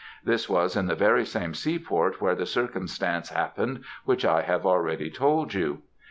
This was in the very same seaport where the circumstance happened which I have already told you.